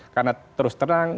karena terus terang